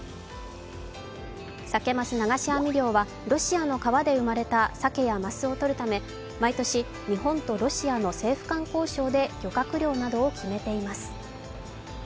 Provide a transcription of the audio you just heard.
サケ・マス流し網漁はロシアの川で生まれたサケやマスをとるため、毎年日本とロシアの政府間交渉で漁獲量などを決めています。